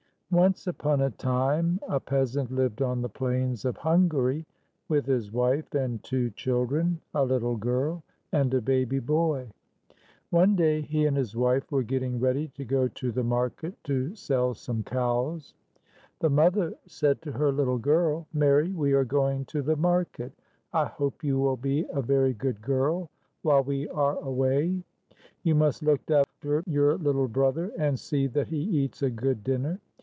Once upon a time, a peasant lived on the plains of Hungary with his wife and two children, a little girl and a baby boy. One day, he and his wife were getting ready to go to the market to sell some cows. The mother said to her little girl, " Mary, we are going to the market. I hope you will be a very good girl while we are away. You must look after your little brother, and see that he eats a good dinner.